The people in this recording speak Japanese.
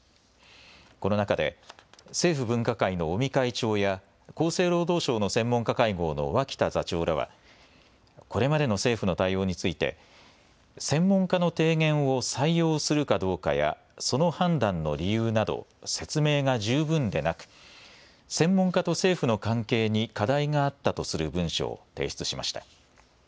この中で政府分科会の尾身会長や厚生労働省の専門家会合の脇田座長らはこれまでの政府の対応について専門家の提言を採用するかどうかや、その判断の理由など説明が十分でなく専門家と政府の関係に課題があったとする文書を提出しました。